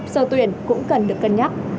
sơ tuyển cũng cần được cân nhắc